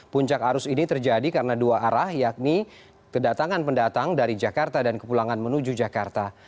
puncak arus ini terjadi karena dua arah yakni kedatangan pendatang dari jakarta dan kepulangan menuju jakarta